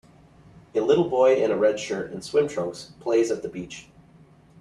A little boy in a red shirt and swim trunks plays at the beach.